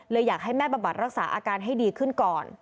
อยากให้แม่บำบัดรักษาอาการให้ดีขึ้นก่อน